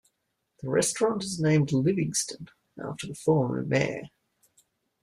The restaurant is named "Livingston" after the former mayor.